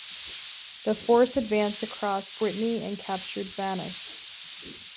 The force advanced across Brittany and captured Vannes.